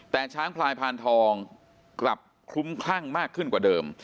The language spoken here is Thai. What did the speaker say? แต่ช้างพลายพานทองกลับคลุ้มคลั่งมากขึ้นกว่าเดิม